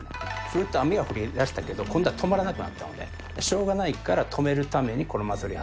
すると雨が降りだしたけど、今度は止まらなくなったので、しょうがないから、止めるためにこの祭り、